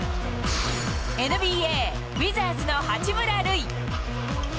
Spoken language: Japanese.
ＮＢＡ・ウィザーズの八村塁。